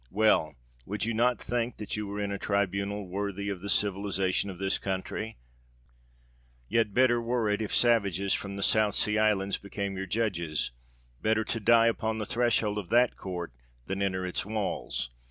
Well—would you not think that you were in a tribunal worthy of the civilisation of this country! Yet—better were it if savages from the South Sea Islands became your judges; better to die upon the threshold of that court, than enter its walls.